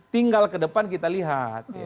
tinggal ke depan kita lihat